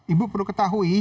ibu perlu ketahui